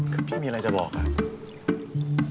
คือพี่มีอะไรจะบอกอะ